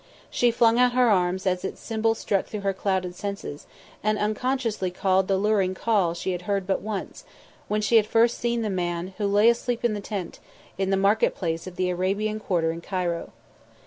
She flung out her arms as its symbol struck through her clouded senses, and unconsciously called the "Luring Call" she had heard but once, when she had first seen the man, who lay asleep in the tent, in the market place of the Arabian quarter in Cairo.